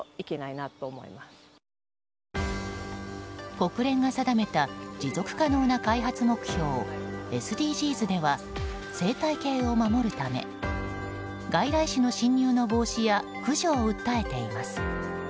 国連が定めた持続可能な開発目標・ＳＤＧｓでは生態系を守るため外来種の侵入の防止や駆除を訴えています。